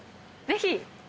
ぜひ。